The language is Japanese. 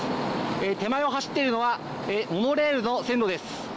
手前を走っているのはモノレールの線路です。